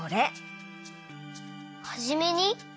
「はじめに」？